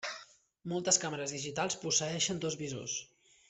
Moltes càmeres digitals posseeixen dos visors.